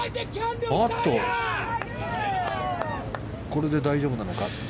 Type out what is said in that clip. これで大丈夫なのか？